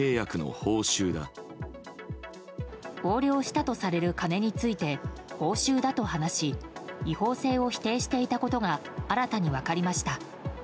横領したとされる金について報酬だと話し違法性を否定していたことが新たに分かりました。